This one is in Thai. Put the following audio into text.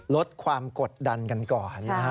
ลดความกดดันกันก่อนนะฮะ